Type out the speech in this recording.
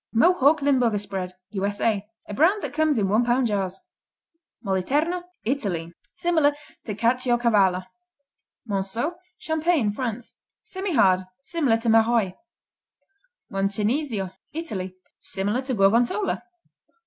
Mohawk Limburger Spread U.S.A. A brand that comes in one pound jars. Moliterno Italy Similar to Caciocavallo. (See.) Monceau Champagne, France Semihard, similar to Maroilles. Moncenisio Italy Similar to Gorgonzola.